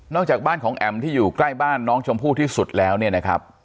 จากบ้านของแอ๋มที่อยู่ใกล้บ้านน้องชมพู่ที่สุดแล้วเนี่ยนะครับ